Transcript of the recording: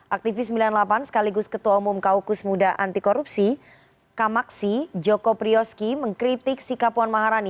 aktivis sembilan puluh delapan sekaligus ketua umum kaukus muda anti korupsi kamaksi joko priyoski mengkritik sikap puan maharani